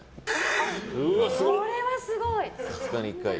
それはすごい！